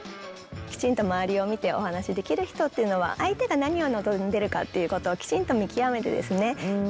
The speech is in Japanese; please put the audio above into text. きちんと周りを見てお話しできる人っていうのは相手が何を望んでるかっていうことをきちんと見極めてですね